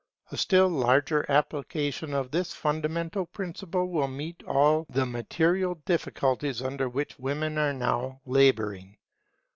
A still larger application of this fundamental principle will meet all the material difficulties under which women are now labouring.